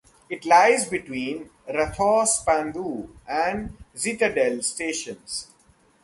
It lies between Rathaus Spandau and Zitadelle stations.